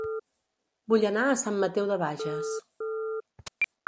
Vull anar a Sant Mateu de Bages